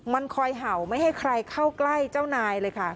มันคอยเห่าไม่ให้ใครเข้าใกล้เจ้านายเลยค่ะ